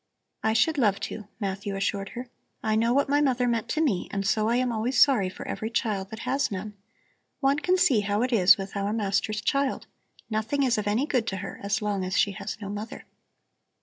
"I should love to," Matthew assured her. "I know what my mother meant to me and so I am always sorry for every child that has none. One can see how it is with our master's child; nothing is of any good to her as long as she has no mother."